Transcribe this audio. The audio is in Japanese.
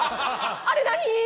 あれ何？